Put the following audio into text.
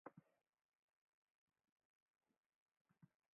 その檸檬の冷たさはたとえようもなくよかった。